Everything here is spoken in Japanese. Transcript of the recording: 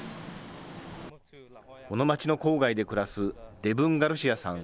この町の郊外で暮らす、デブン・ガルシアさん。